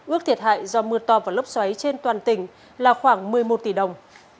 ước thiệt hại do mưa to và lốc xoáy trên toàn tỉnh là khoảng một mươi một tỷ đồng